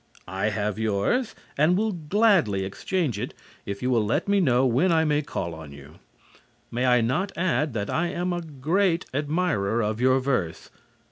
I have yours and will gladly exchange it if you will let me know when I may call on you. May I not add that I am a great admirer of your verse?